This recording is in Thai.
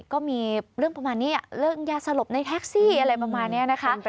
ก็มีเรื่องประมาณนี้เรื่องยาสลบในแท็กซี่อะไรประมาณนี้นะคะ